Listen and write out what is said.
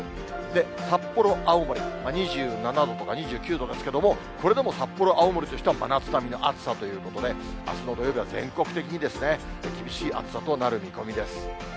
で、札幌、青森、２７度とか２９度ですけれども、これでも札幌、青森としては真夏並みの暑さということで、あすの土曜日は全国的に厳しい暑さとなる見込みです。